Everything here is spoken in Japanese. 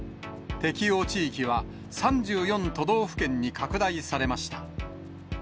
適用地域は、３４都道府県に拡大されました。